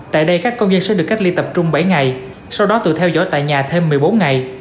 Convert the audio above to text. tại đây các công dân sẽ được cách ly tập trung bảy ngày sau đó tự theo dõi tại nhà thêm một mươi bốn ngày